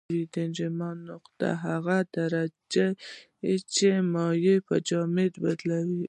انجماد نقطه هغه درجه ده چې مایع په جامد بدلوي.